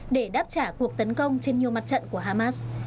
để đáp trả cuộc tấn công trên nhiều mặt trận của hamas